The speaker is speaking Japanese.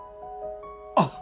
あっ！